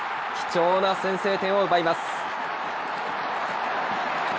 貴重な先制点を奪います。